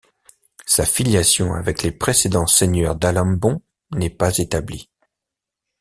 Sa filiation avec les précédents seigneurs d'Alembon n'est pas établie.